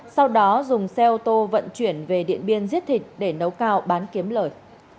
sau đó dùng xe ô tô vận chuyển về điện biên giết thịt để nấu cao bán kiếm lời